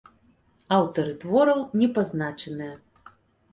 Аўтары твораў не пазначаныя.